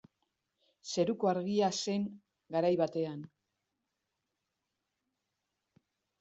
Zeruko Argia zen garai batean.